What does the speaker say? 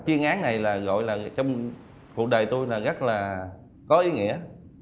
chuyên án này là gọi là trong cuộc đời tôi rất là có ý nghĩa